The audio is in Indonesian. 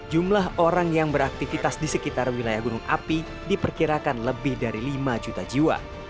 jumlah orang yang beraktivitas di sekitar wilayah gunung api diperkirakan lebih dari lima juta jiwa